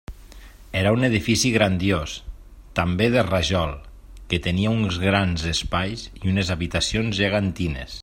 Era un edifici grandiós, també de rajol, que tenia uns grans espais i unes habitacions gegantines.